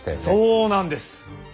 そうなんです。